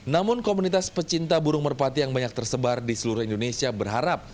namun komunitas pecinta burung merpati yang banyak tersebar di seluruh indonesia berharap